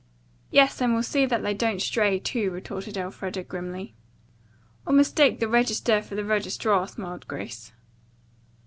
"Yes, and we'll see that they don't stray, too," retorted Elfreda grimly. "Or mistake the Register for the registrar," smiled Grace.